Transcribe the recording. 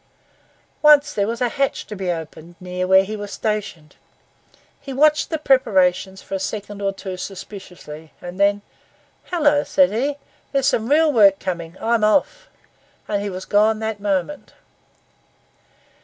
Once there was a hatch to be opened near where he was stationed; he watched the preparations for a second or so suspiciously, and then, 'Hullo,' said he, 'here's some real work coming—I'm off,' and he was gone that moment.